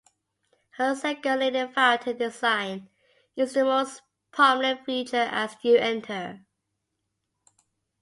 Her Sego Lily Fountain design is the most prominent feature as you enter.